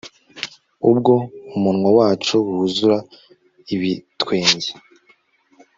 ubwo umunwa wacu wuzura ibitwenge